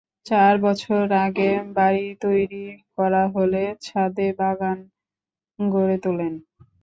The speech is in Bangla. চার বছর আগে বাড়ি তৈরি করা হলে ছাদে বাগান গড়ে তোলেন।